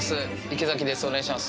池崎です